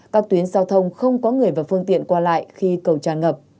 các tuyến giao thông không có người và phương tiện qua lại khi cầu tràn ngập